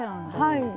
はい。